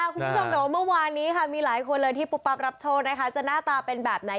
ขอบคุณคุณทางจังว่าเมื่อวานนี้อะไรขนาดแบบไหน